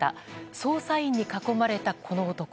捜査員に囲まれた、この男。